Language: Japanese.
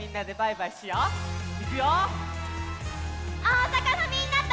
おおさかのみんなと。